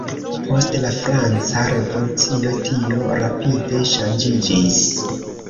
Post la Franca Revolucio tio rapide ŝanĝiĝis.